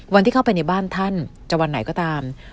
วันที่เข้าไปในบ้านท่านจะวันไหนก็ตาม